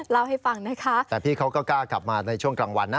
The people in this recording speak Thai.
เล่าให้ฟังนะคะแต่พี่เขาก็กล้ากลับมาในช่วงกลางวันนะ